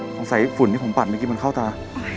ฝุ่นที่ผมปัดเมื่อกี้มันเข้าตา